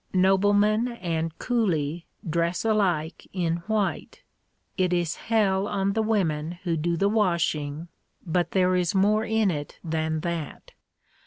Nobleman and coolie dress alike in white. It is hell on the women who do the washing, but there is more in it than that.